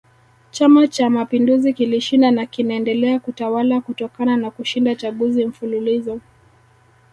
Chama Cha Mapinduzi kilishinda na kinaendelea kutawala kutokana na kushinda chaguzi mfululizo